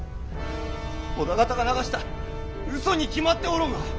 織田方が流した嘘に決まっておろうが！